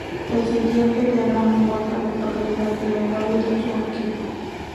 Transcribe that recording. El siguiente diagrama muestra a las localidades en un radio de de Turkey.